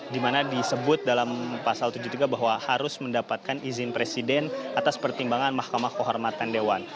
dimana disebut dalam pasal tujuh puluh tiga bahwa harus mendapatkan izin presiden atas pertimbangan mahkamah kehormatan dewan